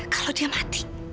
kalau dia mati